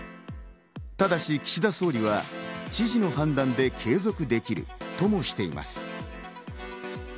ただし岸田総理は知事の判断で継続できるともしています。